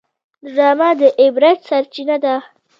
ډرامه د عبرت سرچینه ده